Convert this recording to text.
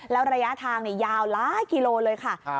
แล้วระยะทางยาวหลายกิโลเลยค่ะ